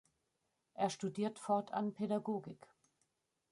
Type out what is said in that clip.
Er studiert fortan Pädagogik.